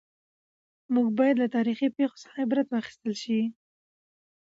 موږ باید له تاریخي پېښو څخه عبرت واخیستل شي.